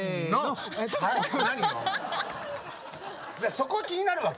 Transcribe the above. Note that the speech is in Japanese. そこは気になるわけ？